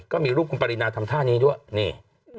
ก็มีรูปคุณปรินาทำท่านี้ด้วยนี่